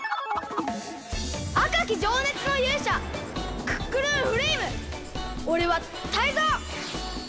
あかきじょうねつのゆうしゃクックルンフレイムおれはタイゾウ！